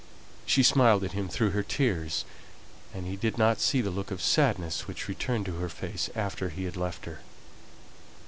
She smiled at him through her tears; and he did not see the look of sadness which returned to her face after he had left her.